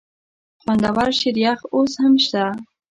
خوندور شریخ اوس هم شته؟